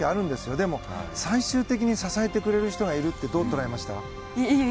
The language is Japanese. でも、最終的に支えてくれる人がいるってどう捉えました？